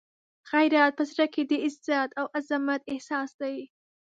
غیرت په زړه کې د عزت او عزمت احساس دی.